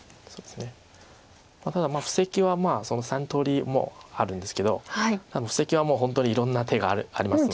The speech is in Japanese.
ただ布石はその３通りもあるんですけど布石はもう本当にいろんな手がありますので。